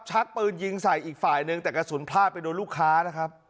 ชักปืนยิงใส่อีกฝ่ายนึงแต่กระสุนพลาดไปโดนลูกค้านะครับ